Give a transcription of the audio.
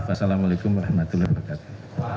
wassalamualaikum warahmatullahi wabarakatuh